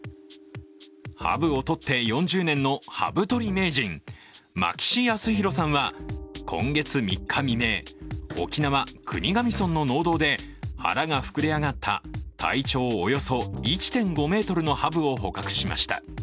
ハブをとって４０年のハブとり名人、眞喜志康弘さんは今月３日未明、沖縄・国頭村の農道で腹が膨れ上がった体長およそ１．５ｍのハブを捕獲しました。